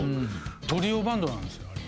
トリオバンドなんですよあれ。